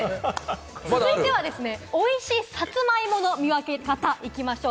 続いてはおいしいさつまいもの見分け方いきましょう！